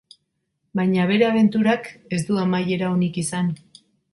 Baina bere abenturak ez du amaiera onik izan.